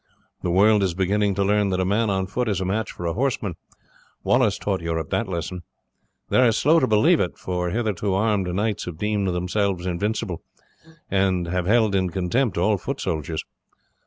The world is beginning to learn that a man on foot is a match for a horseman Wallace taught Europe that lesson. They are slow to believe it, for hitherto armed knights have deemed themselves invincible, and have held in contempt all foot soldiers.